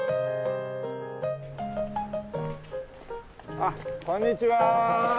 あっこんにちは。